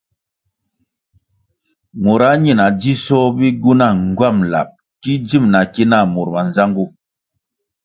Mura ñina dzisoh bigywuna ngywam lab ki dzim na ki nah mur manzangu.